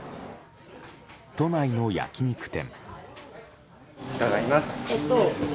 都内の焼き肉店。